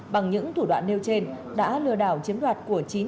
bằng những thủ đoạn nêu trên đã lừa đảo chiếm đoạt của chín cao